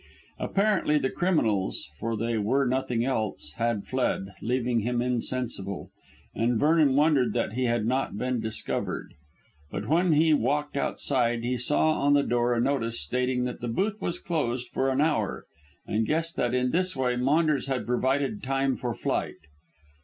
Apparently the criminals, for they were nothing else, had fled, leaving him insensible, and Vernon wondered that he had not been discovered. But when he walked outside he saw on the door a notice stating that the booth was closed for an hour, and guessed that in this way Maunders had provided time for flight.